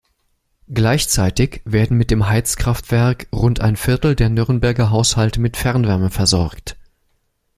Gleichzeitig werden mit dem Heizkraftwerk rund ein Viertel der Nürnberger Haushalte mit Fernwärme versorgt.